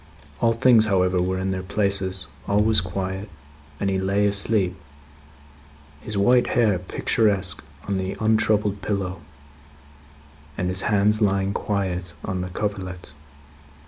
All things, however, were in their places; all was quiet; and he lay asleep, his white hair picturesque on the untroubled pillow, and his hands lying quiet on the coverlet.